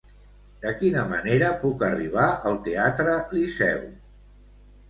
De quina manera puc arribar al Teatre Liceu?